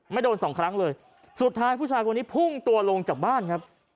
ไม่โดนสองครั้งเลยสุดท้ายผู้ชายคนนี้พุ่งตัวลงจากบ้านครับ